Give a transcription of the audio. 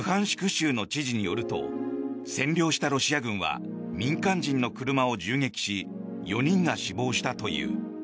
州の知事によると占領したロシア軍は民間人の車を銃撃し４人が死亡したという。